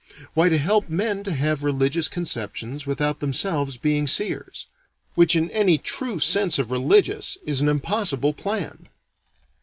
Why, to help men to have religious conceptions without themselves being seers, which in any true sense of "religious" is an impossible plan.